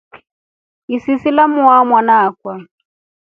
Isisi lamuwaa mwana akwa.